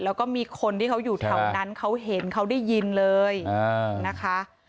แล้วก็มีคนที่เขาอยู่แถวนั้นเขาเห็นเขาได้ยินเลยนะคะ